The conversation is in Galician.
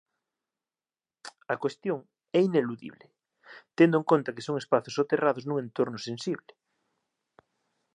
A cuestión é ineludible, tendo en conta que son espazos soterrados nun entorno sensible